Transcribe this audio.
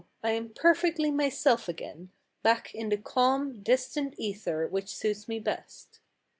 I am per fectly myself again, back in the calm, distant ether which suits me best.